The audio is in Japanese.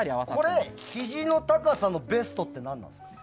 これ、ひじの高さのベストって何ですか？